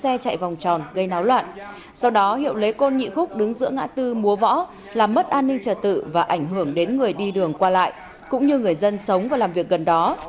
xe chạy vòng tròn gây náo loạn sau đó hiệu lấy côn nhị khúc đứng giữa ngã tư múa võ làm mất an ninh trật tự và ảnh hưởng đến người đi đường qua lại cũng như người dân sống và làm việc gần đó